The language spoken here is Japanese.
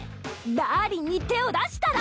ダーリンに手を出したら。